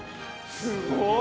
すごい！